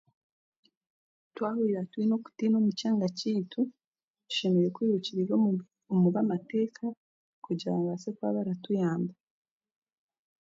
Twahurira twine okutiina omu kyanga kyaitu, tushemereire kwirukira omu omu bamateeka kugira babaase kuba baratuyamba